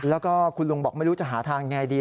แล้วก็คุณลุงบอกไม่รู้จะหาทางยังไงดี